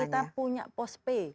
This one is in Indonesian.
jadi kita punya pos pay